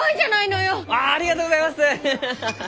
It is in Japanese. ありがとうございます！ハハハ。